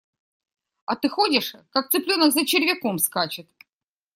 А ты ходишь, как цыпленок за червяком скачет.